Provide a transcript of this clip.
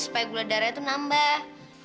supaya gula darahnya tuh nambah